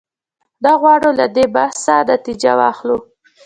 نه غواړو له دې بحثه نتیجه واخلو.